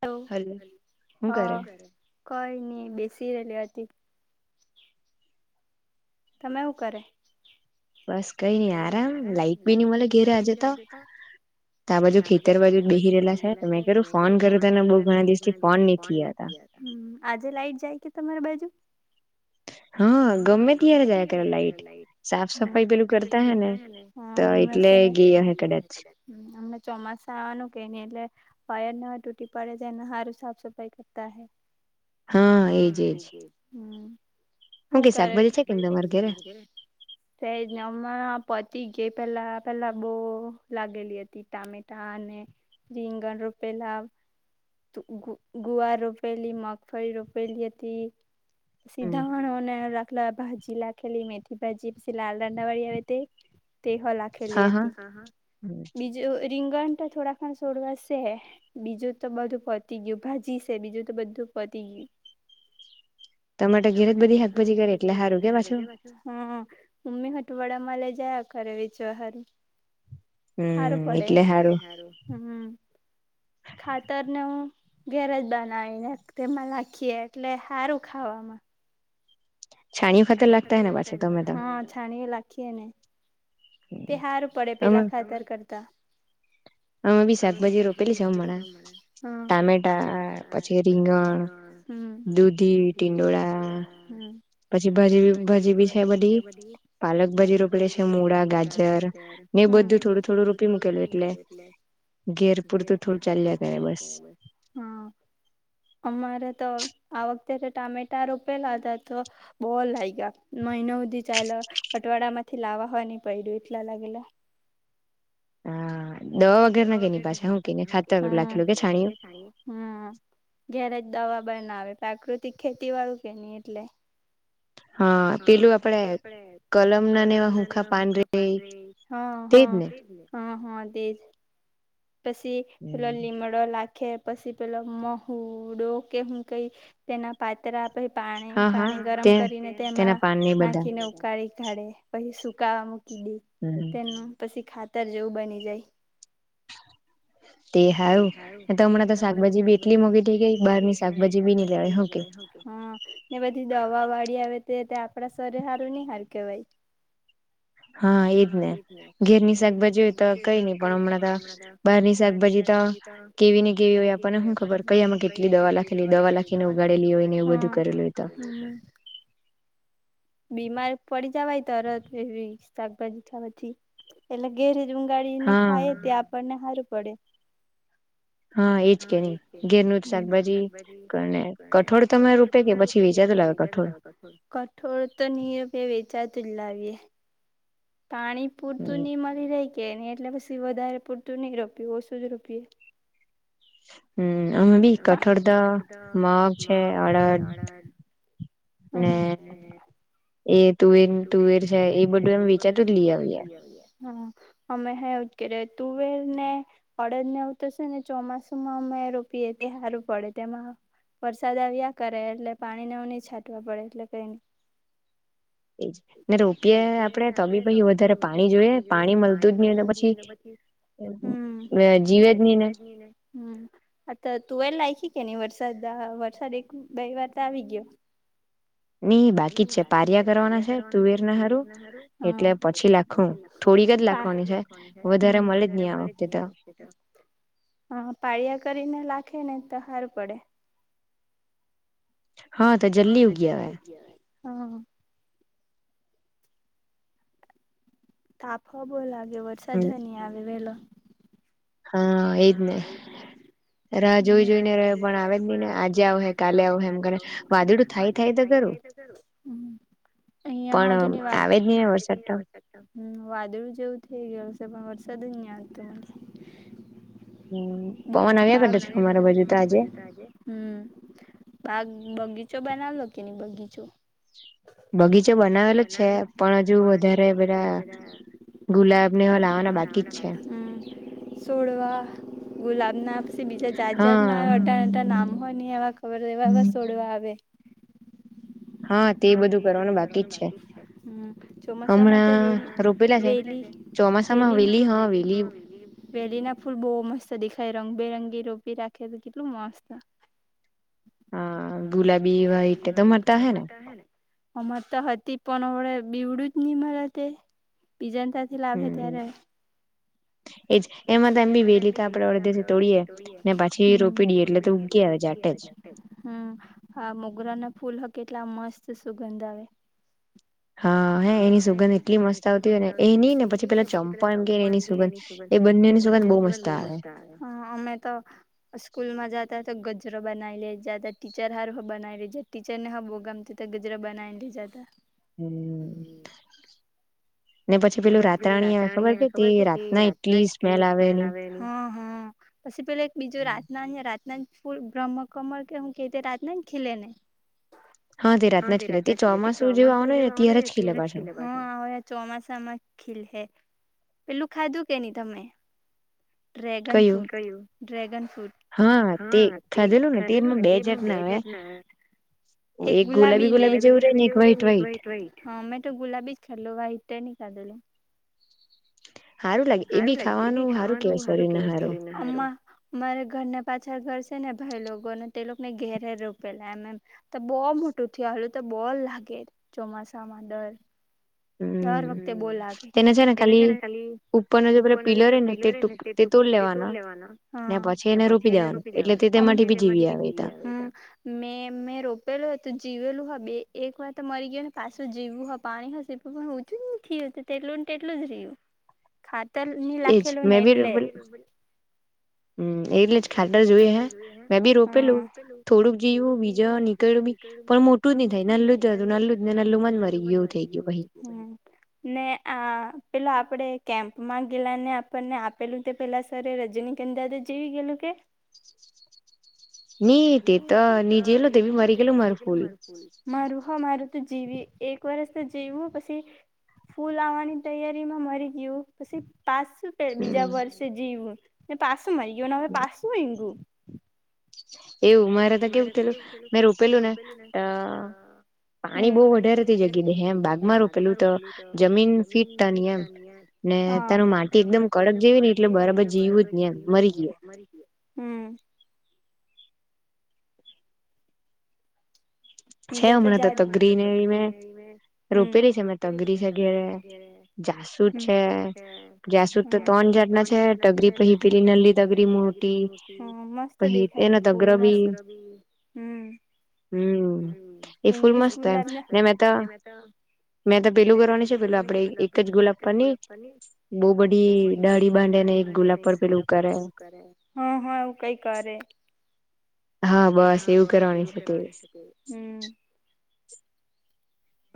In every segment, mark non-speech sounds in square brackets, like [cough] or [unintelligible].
Hello hello હહ હું કરે કઈ ની બેસી રહેલી હતી. તમે હું કરે? બસ કઈ ની આરામ લાઈટ બી ની મલે ઘેર આજે તો તો આ બાજુ ખેતર બાજુ જ બેહી રહેલા સે તો મેં કર્યું ફોન કર્યો તને બહુ ઘણા દિવસથી ફોન નહી થયા તા. થયા તા હમ આજે લાઈટ જાય કે તમારી બાજુ? હહ ગમે ત્યારે જાય આયા જાય કરે લાઇટ સાફ સફાઈ પેલું કરતા હે ને એટલે ગી હહે કદાચ અમને ચોમા સાવાનું કે ની એટલે વાયર ના તૂટી પડે તેના હારું સાફ સફાઈ કરતા હે હા એજ એજ હમ હું કે શાકભાજી છે કે ની તમારા તમારા ઘરે સે જ ને અમ પતી ગે પેલા પેલા બહુ લાગેલી હતી ટામેટા અને રિંગન રૂપેલા ગુવાર રોપેલી, મગફળી રોપેલી હતી. સીધાણ અને રાખલા ભા જી લાખેલી મેથી ભાજી પછી લાલ નવાઈ આવે તે તેહ લાખેલી હતી હા હા બીજું રીંગણ તો થોડાક સોડવા શે બીજું તો બધું પતી ગયું ભાજી સે બીજું તો બધું પતી ગયું. તમાર તો ઘેરે જ બધી હાકભાજી કરે એટલે હારું મમ્મી હઠવાડામાં લઈ જયા ખરે વચવા હારું સારું પડે હ ખાતરને હું ઘેરજ બનાવીને તેમાં નાખીએ એટલે સારું ખાવામાં. છાણીત લાગને બસ હા છાણી લખી એને તે હાર પડે પેલા ખાતર કરતા હી શકભાજી રોપી સ મળ ટમેટા પછેરી દૂધી ટિંડોળ પછી ભાજી ભાજી બી છે બધી પાલક ભાજી રોપડે છે મૂળા ગાજર ને બધું થોડું થોડું રોપી મૂકેલું એટલે ઘેરપુર તો છલ ચાલ્યા જાય બસ હ અમારે તો આ વખ ટામેટા રોપેલા હતાા તો બહ લાગ ગ મહનો સુધી ચ અટવાડા માંથી લાવવા હોવા નહ પડ્યું એટલા લાગેલા હા દ વ ઘ દવા ખબર ના આવે પ્રાકૃતિક ખેતી વાળું કે નહી એટલે હા પેલું આપડે કલમ નાને એવા હૂખા પાંદરે હ હા દીજ પછી પેલો લીમડો લાખે પછી પેલા મહુડો કે હું કઈ તેના પાત્ર પ પાણી પાણી ગરમ કરીને તેમાં નાખીને ઉકાળી ાડે પછી સુકાવા મૂકી દઈ તેનું પછી ખા તર જેવું બની જાય તે હારું તો હમણાં તોાકભાજી બી એટલી મોંઘી થઈ ગઈ બહાર ની શાકભાજી બી નની લેવાકે હમ ને બધી દવા વાળી આવે તે તે આપણા શરીર હારું નહ હાર કેવાય હ હા એજ ને ઘેરની શાકભાજી હોય તો કઈ નઈ પણ હમણાં તો બહાર ની શાકભાજી તો કેવી ને કેવી હોય આપણને શું ખબર કયામાં કેટલી દવા લખેલી દવા લખીને ઉગાડેલી હોય ને એવું બધું કર તા બીમાર પડી જવાય તરત એવી શાકભાજી ખાવાથી એટલે ઘેરે ઊગાળને ખાય ત આપણને સારું પડે હ હા એજ કે નહી ઘેર નું જ શાકભાજી કઠોળ તમે રૂપે કે પછી વેચા જ લાવો કઠોળ તો ની રૂપિયા વેચાતું જ લાવીએ પાણી પૂરતું નહી મળી રહે કે નહી એટલે પછી વધારે પૂરતું નઈ રોપ્યું ઓછું જ રોપીએ હમ અમે ભી કઠોરદા માગ છે અડદ હમ હમ એ તુર તુર હૈ એ બોલુંજા લ અમે હૈ તુવે ને અડદને આવવું થશે ને ચોમાસુમાં અમે રોપીએ સારું પડે તેમાં વરસાદ આવ્યા કરે એટલે પાણીનેું નહી છાંટવા પડે એટલે કઈ નહી એજ ને રૂપિયા આપડે ત બી પછી વધારે પાણી જોઈએ પાણી મળતું જ નહી અને પછી હમ હ તું એ લાયખ કેની વરસાદ વરસાદ એક બે વાર તો આવી ગયો નહી બાકી છે પાર્યા પિયા કરવાના છે તુવેર ના હારું એટલે પછી લખ લખવાનું છે. પાળિયા કરીને લાખ ખે ને તો હાર પડે હા તો જલ્દી ઉગિયાવે હા તાપ હો બો લાગે વરસાદ હની આવે વેલો હા એ જ ને રા જોઈ જોઈ ને રહે પણ આવે જ નહી ને આજે આવ હે કાલે આવ હે એમ ઘ વાદળું થાય થાય તો ઘરું હમ અહિયાં આ જોની આવે જ ની વરસાદ તો વાદળું જેવું થઇ ગયું છે પણ વરસાદ [unintelligible] હમ પવન આવ્યા કરતો છે અમારા બાજુ તો આજે બાગ બગીચો બનાવલો કે નહી બગીચો બગીચો બનાવેલો છે પણ હજુ વધારે બધા ગુલાબ ને એવા લાાવવાના બાકી જ છે. ગુલાબના પછી બીજા જાત જાાતના અટા અટા નામ હો ની આવા ખબર [unintelligible] છોડવા આવે હા તે બધું કરવાનું બાકી જ છે હમણાં રોપેલા છે. ચોમાસામાં વેલી હ વેલી વહેલી ના ફૂલ બહુ મસ્ત દેખાય રંગબેરંગી રોપી રાખેલુ કેટલું મસ્ત હા ગુલાબી વાઈટ તે તમારા તા અ હે ને અમાર તા હતી પણ [unintelligible] બીવડું જ નઈ મળે તે બીજાને ત્યાથી લાવશે ત્યારે [inaudible] એજ એમાં તો એમ બી વહેલી તો આપણે અડધેસે તોડીએ ને પાછી રોપીડીએ એટલે તો ઉગી આવે જાટે જ હમ હા મોગરા ના ફૂલ હો કેટલા મસ્ત સુગંધ આવે હા હે એની સુગંધ એટલી મસ્ત આવતી હોય ને એની ને પછી પેલા ચંપો એમ કેય ને એની સુગંધ એ બંને ની સુગંધ બી મસ્ત આવે એમ તો સ્કુલમાં જતા તો ગજરો બના લે જતા ટીચર હાર બના ટીચર ને હો બો ગમતી તો ગજરા બનાઈ લ જતા. હમ અને પછી પેલું રાતરાણી આવે ખબર છે કે રાતના એટલી સ્મેલ આવે હ હ પછી પેલા એક બીજું રાતના રાતના ફૂલ બ્રહ્મ કમળ કે હું કે તે રાતના જ ખીલને હા તે રાતના જ ખીલે તે ચોમાસું જેવું આવનું હોય ને ત્યારે જ ખીલે હા હવે ચોમાસું ખીલ હે પેલું ખાધું કે ની તમે ડ્રેગન ફ્રૂટ કયું ડ્રેગન ફ્રૂટ હા તે ખાધેલું ને તેમાં બે જાત ના આવે એક ગુલાબી ને ગુલાબી એક વ્ટ વ્ઇટ હા મેં તો ગુલાબી જ ખા લો વ્હાઈટ [unintelligible] હારુ લાગે એ બી ખાવાનુ હારુું કેવાય શરીરના હારુ અમારે ઘરના પાછળ ઘર છે. ને ભાઈ લોકોને તે લોકો ને ઘેરે રોપેલા એમ એમ તો બહુ મોટું થયું હલું તો બહુ લાગે ચોમાસામાં દર દર વખતે બો લાગે તેને છે ને ખાલી ઉપર ન જે પિલો રે ને તે તોડી લેવાનો ને પછી એને રોપી દેવાનો મે મે રોપેલું હતું તો જીવેલું બી બે એક વાર તો મરી ગયો ને પાછું જીવું હ પાણી હ સીવું પણ ઊચું થયતું તેટલું ને તેટલું જ રહય્યું. ખાતરની લખેલું ને એટલે [inaudible] હમ એટલે જ ખાતર જોઈએ હે મેં બી રોપેલું થોડુંક જેીવું બીજા નીકળ્યું બી મોટું ન થાય નલું જ હતું નલું જ ને નલું મનરીવું થઈું. હા પેલા આપડે? માં ગેલા ને આપણને આપેલું તે પેલા સર રજની કેંદાદ જેવી ગયેલું કે? [inaudible] [inaudible] તો જીવી એક વષે તો જીવું પછી- - ફૂલ આવવાની તૈયારી માં મરી ગયું પછી. પાછું પ બીજા વર્ષે જવું ને પાસું મારી ગય ને હવે પાછું ઈ ગું. એવું મારે તો કેવું થેલું મેં રોપેલું ને- - પાણી બહ વધારે થઈ જય ગ હમ બાાગમાં રૂકેલું તો જમીન ફીકતા ની યાર- - તાર માટી એકદમ કડક જેવી ને એટલે બરાબર જ હો ત્યા મરી જાય [inaudible] બીજા તો જજ તો તગડીને મે હ રોપેલી છે મે તગડી છે જ- - જાસુદ છે જાસુદ તો ત્રણજત ના છે ટગરી પહી પીલી નલી ટગરી મુ- - હ મસ્ત દેખાય ફૂ હમ- - હમ એ ફૂલ મસ્ત એમ ને મે તો- - મેં તો પેલું કરવાનું છે પેલું આપડે એક જ ગુલાબ પરનીર- - બહ બધી ડાળી બાંધેને એક ગુલાબ પર પેલું કરે- - હા બસ એવું કરવાની છે તે.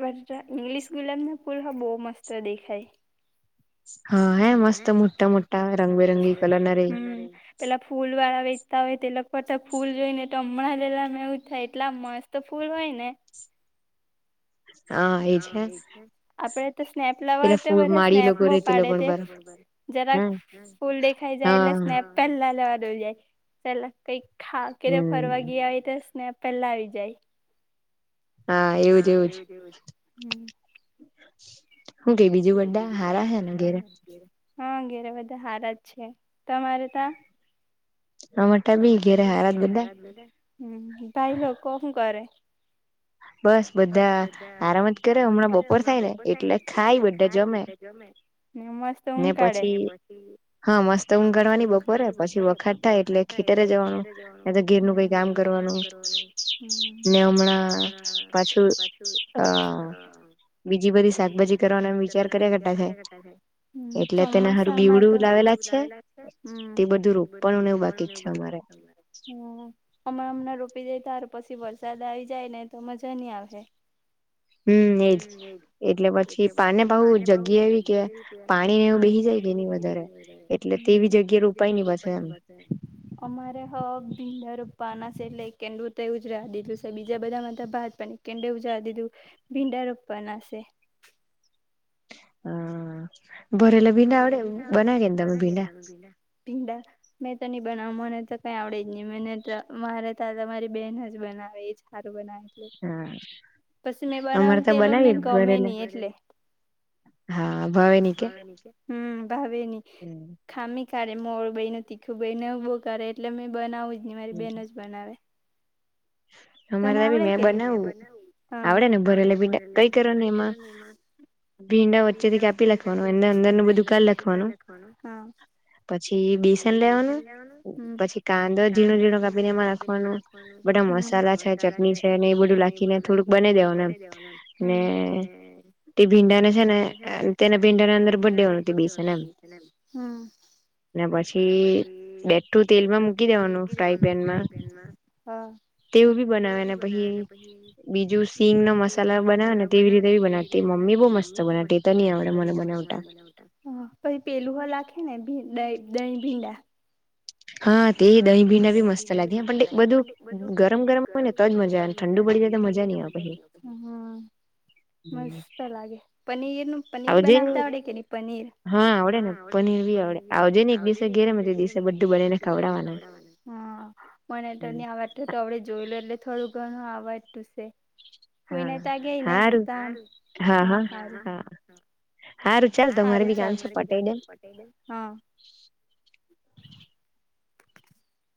બ ઇંગ્લિશ ગુલાબ ના પુલ હ બહુ મસ્ત દેખાય. હા હે મ મોટા મોટા રંગ રંગી પેલા ફૂલ વાા- - હોય તે લગતા ફૂલ જોઈને તો હમણાં લેલા એવું થાય એટલા મસ્ત ફૂલ હોય ને- - [inaudible] આપડે તો સ્નેપ લવર તે બધા સ્નેપ બો પાડે તે- - જરા ફૂલ દેખાઈ જાય એટલે સ્નાપલ લ ાય પેલા કઈક ખા કે તો ફરવા ગયા હોય તોને પહેલા આવી જાય હા એવુ જ એવુ જ. હું કઈ બીજું બા હારા છે ને ઘેરે? હા ઘેરે બધા હારાજ છે તમારે ત્યા? અમારે ત્યાર પણ હારા જ ભાઈ લોકો હુ કરે? બસ બધા આરામ જ કરે હમણાં બપોર થાય ને એટલે ખાય બધા જમે- - ને મસ્ત ઊંકાડે ને પછી હા મસ્ત ઊંઘવાની બપોરે પછી વખાત- - એટલે ખેતરે જવાનું એ ઘેર નું કઈ જામ કરવાનું હમણાં- - પાછું આ- - બીજી બધી શાકભાજી કરવાનો એમ વિચાર કર્યા કરતા છે. એટલે તેને હારું બીવડું લાવેલા છે તે બધું રોપણને એવું બાકી- - [unintelligible] હમણાં હમણાં રોપી જાય તાર પછી વરસાદ આવી જાય ને તો મજા નહી આવે. હમ એજ એટલે પછી પાને બહુ જગ્યા એવી કે પાણી ને એવું બેહી જાય- - [unintelligible] વધારે એટલે તેવી જગ્યા [unintelligible] અમારે હ ભીડા [unintelligible] છે, એટલે કેડું [unintelligible] છે, બીજા બધા ભ- - કેે ઉજા દીધું ભીંડા રોપવાનાશે. હમ. ભરેલા ભીડા આવે તે [unintelligible] બીલા બીડા ની બનાવ મને તો કઈ આવડે જ નહીિ મને તો મારે તા તમારી બેહેન જ બનાવે એ સારું બનાવે. હા. પછી મેં બનાવું તો એ લોકોને ગમે નહ એટલે. હમ ભાવે ની [unintelligible] [unintelligible] ભાઈ ન તીખું ભાઈને બું કરે એટલે મેં બનાવું જ નહી મારી બેહેન જ બનાવે- - [unintelligible] મેં બનાવવું. આવડે ને ભરે એટલે બી કઈ કરો ને એમાં. ભીડા વચ્ચે થી કાપી લખવાનું અંદર અંદર ન બધું કાલ લખવાનું. પછી બેસન લેવાનું પછી કાંદો ઝીણો ઝીણો કાપીને એમાં રાખવાનું. બધા મસાલા છે, ચટણી છે, ને એ બધું લખીને થોડું. ને થોડુંક બની દેવને એમ ને, તે ભીંડા છેને તેના ભીંડા ને અંદર [unintelligible] પછી [unintelligible] તેલમાં મૂકી, દેવાનું [unintelligible] પેનમાં. તેવું બી બનાવેને પછી બીજું સીંગ ના મસાલા બનાવે ને તેવી રીતે બનાવતી મમ્મી બહુ મસ્ત બનાતી ન આવડે મને બનાવતા. પછી પેલું હલખે ને દહી ભીંડા. હા તે દહીં ભી ના બી મસ્ત લાગી બધું ગરમ ગરમ હોય, ને તોજ મજા આવે ઠંડુ પડી, તો મજા નહી, આ [unintelligible] મસ્ત લાગે પનીર નું પનીર બનાવતા આવડે કે નહી પનીર. હા આવડે ને પનીરી આવડે આવજે ને એક દિસે ઘેરે દિસે બધું બને [unintelligible] [unintelligible] હ મને તો ન અવાજ અડે જોઈ લો, એટલે થોડું ઘણું અવાજ તુસે. કોઈને ત્યા ગેય નહ તો ત હા હા... [inaudible]